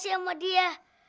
sari dikasih sama dia